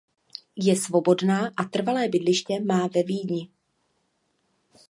Je svobodná a trvalé bydliště má ve Vídni.